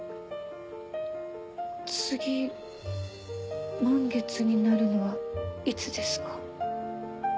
次満月になるのはいつですか？